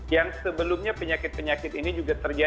yang sebelumnya penyakit penyakit ini juga terjadi